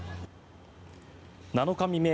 ７日未明